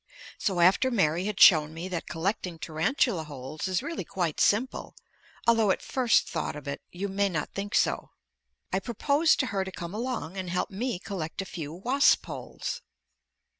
So after Mary had shown me that collecting tarantula holes is really quite simple although at first thought of it you may not think so I proposed to her to come along and help me collect a few wasp holes.